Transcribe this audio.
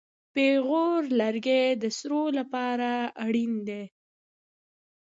پېغور لرګی د سړو لپاره اړین دی.